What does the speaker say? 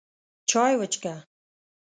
چای وڅښه!